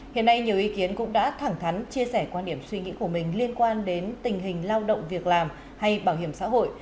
hiện nay nhiều ý kiến cũng đã thẳng thắn chia sẻ quan điểm suy nghĩ của mình liên quan đến tình hình lao động việc làm hay bảo hiểm xã hội